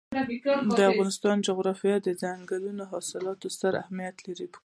د افغانستان جغرافیه کې دځنګل حاصلات ستر اهمیت لري.